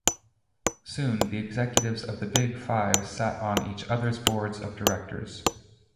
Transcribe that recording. Soon, the executives of the Big Five sat on each other's boards of directors.